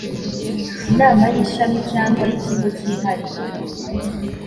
inama y ishami cyangwa iy ikigo cyihariye